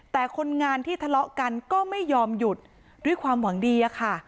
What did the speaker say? แต่คนงานที่ทะเลาะกันก็ไม่ยอมหยุดด้วยความหวังดีอะค่ะ